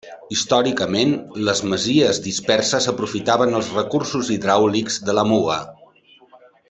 Històricament, les masies disperses aprofitaven els recursos hidràulics de la Muga.